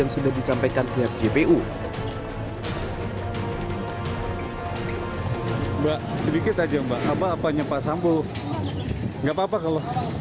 sudah disampaikan prj pu hai mbak sedikit aja mbak apa apanya pak sambu nggak papa kalau